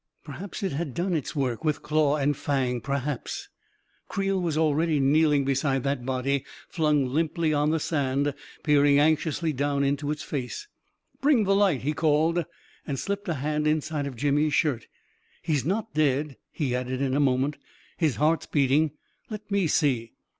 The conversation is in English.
Perhaps it had done its work, with daw and fang — per haps .•• Creel was already kneeling beside that body, flung limply on the sand, peering anxiously down into its face. " Bring the light I " he called, and slipped a hand inside of Jimmy's shirt. " He's not dead," he added in a moment. " His heart's beating. Let me see."